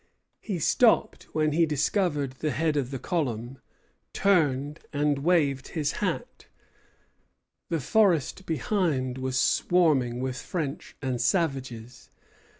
He stopped when he discovered the head of the column, turned, and waved his hat. The forest behind was swarming with French and savages.